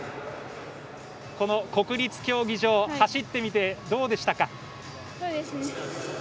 この国立競技場走ってみてどうでしたか？